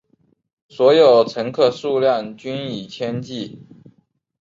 所有乘客数量均以千计。